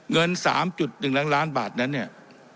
เงินสามจุดหนึ่งล้างล้านบาทนั้นเนี่ย